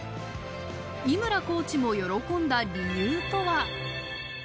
井村コーチも喜んだ理由とは。